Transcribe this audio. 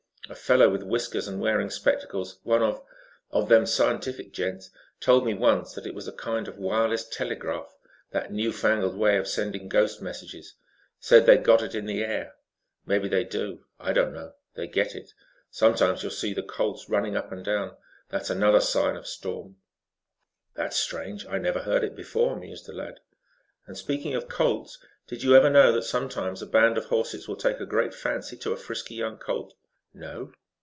A fellow with whiskers and wearing spectacles one of of them scientific gents told me once that it was a kind of wireless telegraph, that newfangled way of sending ghost messages. Said they got it in the air. Mebby they do; I don't know. They get it. Sometimes you'll see the colts running up and down. That's another sign of storm." "That's strange. I never heard it before," mused the lad. "And speaking of colts, did you ever know that sometimes a band of horses will take a great fancy to a frisky young colt?" "No."